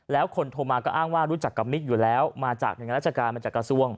แล้วคนโทรมาก็อ้างว่ารู้จักกับมิกอยู่แล้วมาจากหน่วยงานราชการมาจากกระทรวง